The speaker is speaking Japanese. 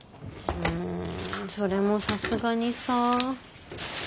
うんそれもさすがにさ。